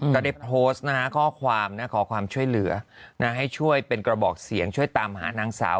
ก็ได้โพสต์นะฮะข้อความขอความช่วยเหลือให้ช่วยเป็นกระบอกเสียงช่วยตามหานางสาว